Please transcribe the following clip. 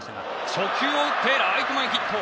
初球を打ってライト前ヒット。